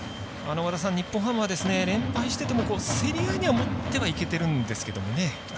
日本ハムは、連敗してても競り合いには持ってはいけてるんですけどね。